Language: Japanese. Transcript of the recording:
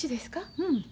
うん。